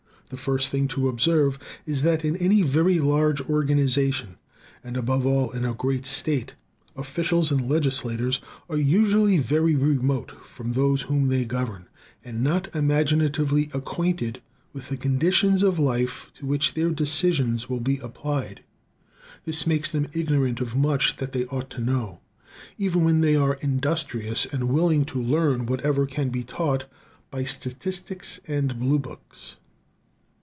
The first thing to observe is that, in any very large organization, and above all in a great state, officials and legislators are usually very remote from those whom they govern, and not imaginatively acquainted with the conditions of life to which their decisions will be applied. This makes them ignorant of much that they ought to know, even when they are industrious and willing to learn whatever can be taught by statistics and blue books.